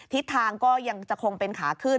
ทิศทางก็ยังจะคงเป็นขาขึ้น